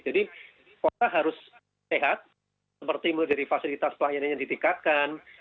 jadi kota harus sehat seperti memiliki fasilitas pelayanannya yang ditingkatkan